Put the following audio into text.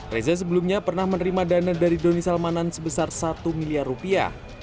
reza sebelumnya pernah menerima dana dari doni salmanan sebesar satu miliar rupiah